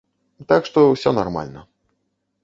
Так што, усё нармальна.